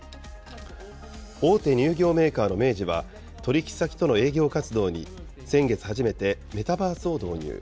大手乳業メーカーの明治は、取り引き先との営業活動に先月初めてメタバースを導入。